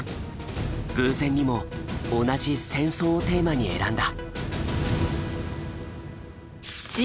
偶然にも同じ戦争をテーマに選んだ。